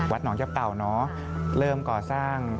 วัดหนองเย็บเต่าน้อเริ่มก่อสร้าง